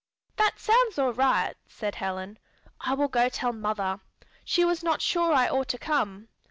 '" "That sounds all right," said Helen. "I will go tell mother. She was not sure I ought to come."